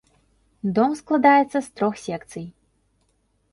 Дом складаецца з трох секцый.